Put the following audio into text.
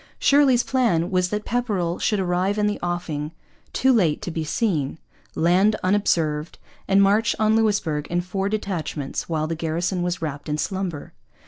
Shirley's plan was that Pepperrell should arrive in the offing too late to be seen, land unobserved, and march on Louisbourg in four detachments while the garrison was wrapped in slumber.